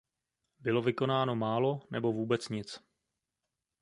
Bylo vykonáno málo nebo vůbec nic.